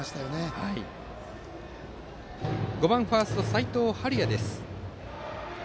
バッターは５番ファースト、齋藤敏哉。